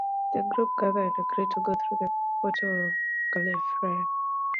The group gather and agree to go through the portal to Gallifrey.